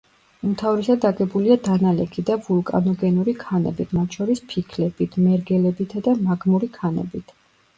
უმთავრესად აგებულია დანალექი და ვულკანოგენური ქანებით, მათ შორის: ფიქლებით, მერგელებითა და მაგმური ქანებით.